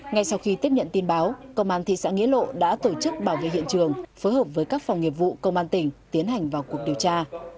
ngay sau khi tiếp nhận tin báo công an thị xã nghĩa lộ đã tổ chức bảo vệ hiện trường phối hợp với các phòng nghiệp vụ công an tỉnh tiến hành vào cuộc điều tra